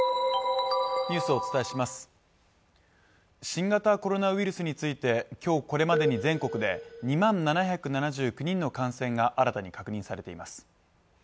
新型コロナウイルスについて今日これまでに全国で２万７７９人の感染が新たに確認されています。